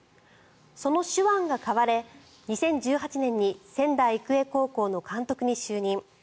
その手腕が買われ２０１８年に仙台育英高校の監督に就任。